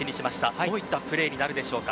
どういったプレーになるでしょうか。